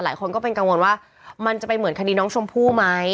หลายคนก็เป็นกังวลว่ามันจะไปเหมือนคดีน้องชมพู่ไหม